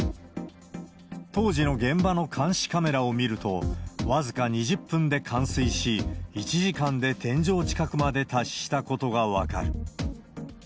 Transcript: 当時の現場の監視カメラを見ると、僅か２０分で冠水し、１時間で天井近くまで達したことが分かる。